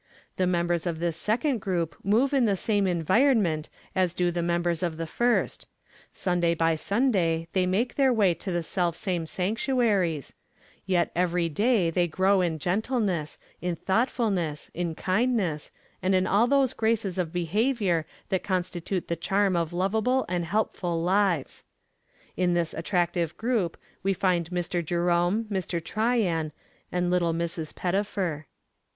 The members of this second group move in the same environment as do the members of the first; Sunday by Sunday they make their way to the self same sanctuaries; yet every day they grow in gentleness, in thoughtfulness, in kindness, and in all those graces of behavior that constitute the charm of lovable and helpful lives. In this attractive group we find Mr. Jerome, Mr. Tryan, and little Mrs. Pettifer.